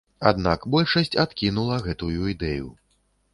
Аднак большасць адкінула гэтую ідэю.